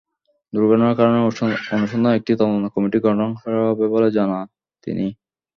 দুর্ঘটনার কারণ অনুসন্ধানে একটি তদন্ত কমিটি গঠন করা হবে বলে জানা তিনি।